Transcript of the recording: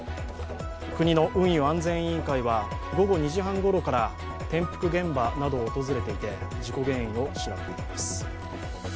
国の運輸安全委員会は、午後２時半ごろから転覆現場などを訪れていて事故原因を調べています。